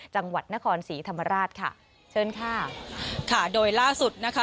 จังหวัดนครศรีธรรมราชค่ะเชิญค่ะค่ะโดยล่าสุดนะคะ